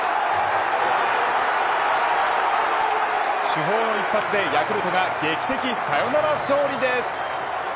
主砲の一発でヤクルトが劇的サヨナラ勝利です。